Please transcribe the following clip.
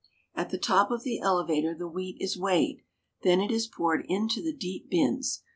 At the top of the elevator the wheat is weighed ; then it is poured into the deep bins.